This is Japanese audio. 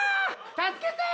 助けてー！